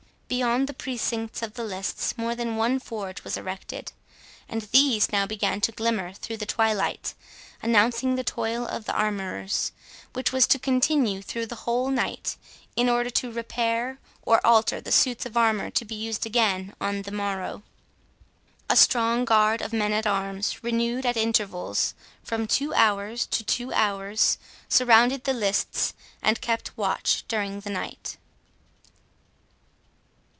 Beyond the precincts of the lists more than one forge was erected; and these now began to glimmer through the twilight, announcing the toil of the armourers, which was to continue through the whole night, in order to repair or alter the suits of armour to be used again on the morrow. A strong guard of men at arms, renewed at intervals, from two hours to two hours, surrounded the lists, and kept watch during the night.